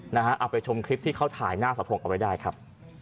เอาไปชมคลิปที่เขาถ่ายหน้าสะทงเอาไว้ได้ครับ